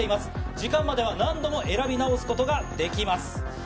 時間までは何度も選び直すことができます。